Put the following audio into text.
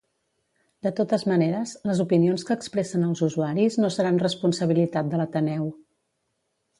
De totes maneres, les opinions que expressen els usuaris no seran responsabilitat de l'Ateneu.